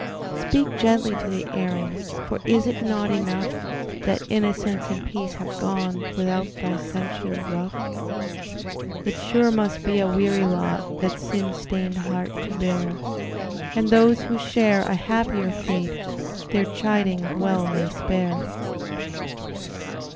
Speak gently to the erring: For is it not enough That innocence and peace have gone, Without thy censure rough? It sure must be a weary lot, That sin stained heart to bear, And those who share a happier fate Their chidings well may spare.